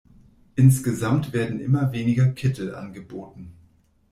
Insgesamt werden immer weniger Kittel angeboten.